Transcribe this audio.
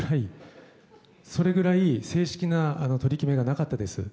それぐらい正式な取り決めがなかったです。